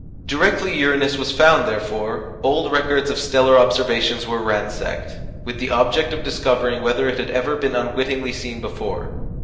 (See p. 298.) Directly Uranus was found, therefore, old records of stellar observations were ransacked, with the object of discovering whether it had ever been unwittingly seen before.